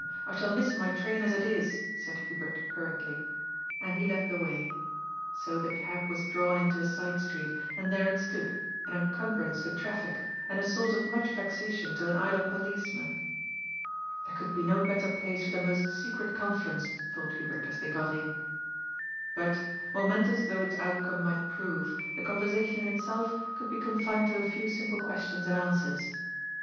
I shall miss my train as it is," said Hubert hurriedly. And he led the way. So the cab was drawn into a side street, and there it stood, an encumbrance to traffic, and a source of much vexation to an idle police man. " There could be no better place for the most secret conference," thought Hubert, as they got in. But, momentous though its outcome might prove, the conversation in itself could be confined to a few simple questions and answers.